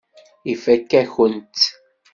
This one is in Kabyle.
Ifakk-akent-tt.